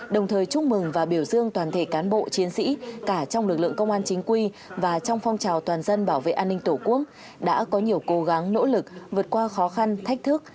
đồng thời chúc mừng và biểu dương toàn thể cán bộ chiến sĩ cả trong lực lượng công an chính quy và trong phong trào toàn dân bảo vệ an ninh tổ quốc đã có nhiều cố gắng nỗ lực vượt qua khó khăn thách thức